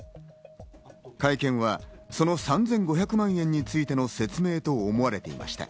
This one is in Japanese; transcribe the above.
会見はその３５００万円についての説明と思われていました。